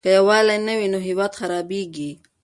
که يووالی نه وي نو هېواد خرابيږي.